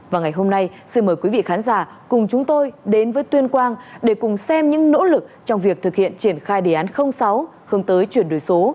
và ngày hôm nay xin mời quý vị khán giả cùng chúng tôi đến với tuyên quang để cùng xem những nỗ lực trong việc thực hiện triển khai đề án sáu hướng tới chuyển đổi số